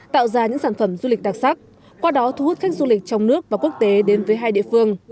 tạo ra những sản phẩm du lịch đặc sắc qua đó thu hút khách du lịch trong nước và quốc tế đến với hai địa phương